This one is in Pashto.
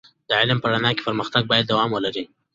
د علم په رڼا کې پر مختګ باید دوام ولري.